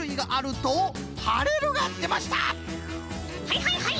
はいはいはい！